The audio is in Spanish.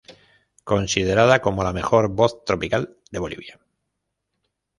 Considerada como la mejor voz tropical de Bolivia.